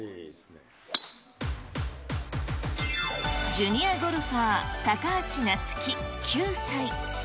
ジュニアゴルファー、高橋なつ希９歳。